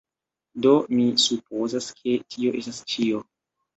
Do, mi supozas, ke tio estas ĉio